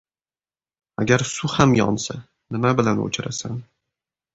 • Agar suv ham yonsa, nima bilan o‘chirasan?